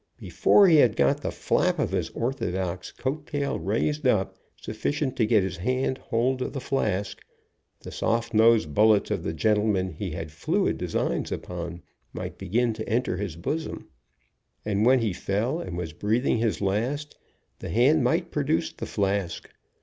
Before he had got the flap of his orthodox coat tail raised up sufficient to get his hand hold of the flask, the soft nosed bul lets of the gentleman he had fluid designs upon might begin to enter his bosom, and when he fell and was breathing his last, the hand might produce the flask.